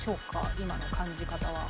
今の感じ方は。